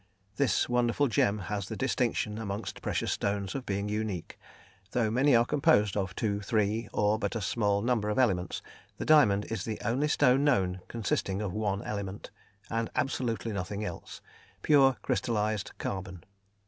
This wonderful gem has the distinction amongst precious stones of being unique; though many are composed of two, three, or but a small number of elements, the diamond is the only stone known consisting of one element, and absolutely nothing else pure crystallised carbon.